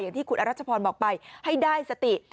อย่างที่คุณอรัชพรบอกไปให้ได้สติ